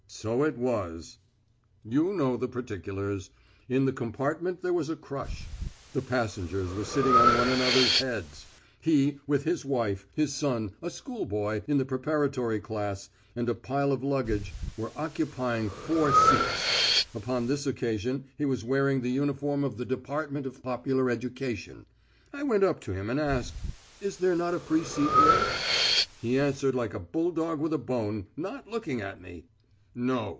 So it was. You know the particulars. In the compartment there was a crush; the passengers were sitting on one another's heads. He, with his wife, his son, a schoolboy in the preparatory class, and a pile of luggage, were occupying four seats. Upon this occasion he was wearing the uniform of the Department of Popular Education. I went up to him and asked: "Is there not a free seat here?" He answered like a bulldog with a bone, not looking at me: "No.